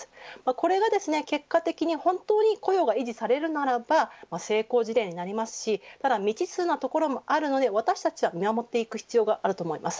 これが、結果的に本当に雇用が維持されるならば成功事例になりますしただ、未知数なところもあるので私たちは見守っていく必要があると思います。